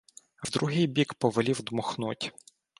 В другий бік повелів дмухнуть.